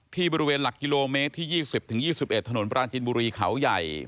ที่บริเวณหลักกิโลเมตรที่๒๐๒๑ถนนปราจินบุรีเขาใหญ่